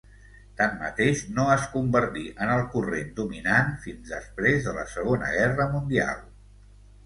Tanmateix, no es convertí en el corrent dominant fins després de la Segona Guerra Mundial.